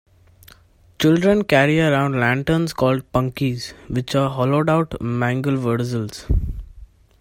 Children carry around lanterns called "Punkies", which are hollowed-out mangelwurzels.